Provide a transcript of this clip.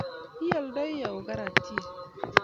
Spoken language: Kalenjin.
I aldoi au karatiek